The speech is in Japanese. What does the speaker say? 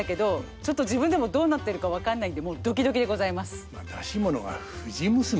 ちょっと自分でもどうなってるか分かんないんでもうドキドキでございます。